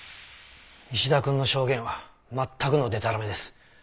石田君の証言はまったくのでたらめです。